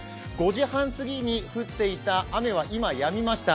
５時半過ぎに降っていた雨は今やみました。